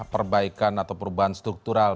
perbaikan atau perubahan struktural